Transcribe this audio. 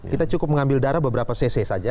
kita cukup mengambil darah beberapa cc saja